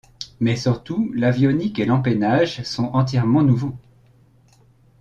Mais surtout l’avionique et l’empennage sont entièrement nouveaux.